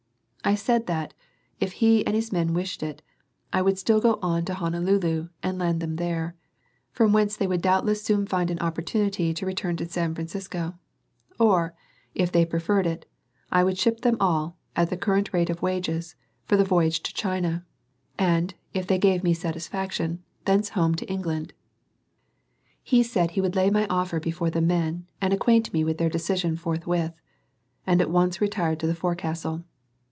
I said that, if he and his men wished it, I would still go on to Honolulu, and land them there, from whence they would doubtless soon find an opportunity to return to San Francisco; or, if they preferred it, I would ship them all, at the current rate of wages, for the voyage to China, and, if they gave me satisfaction, thence home to England. He said he would lay my offer before the men, and acquaint me with their decision forthwith; and at once retired to the forecastle.